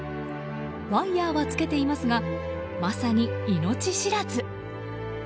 ワイヤはつけていますがまさに命知らず。